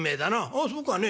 「ああそうかね。